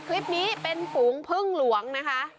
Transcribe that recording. คลิปนี้เป็นฝูงพึ่งหลวงนะคะ